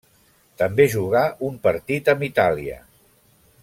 També jugà un partit amb Itàlia.